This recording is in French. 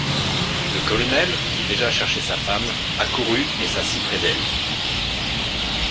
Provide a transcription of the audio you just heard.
Le colonel, qui déjà cherchait sa femme, accourut et s’assit près d’elle.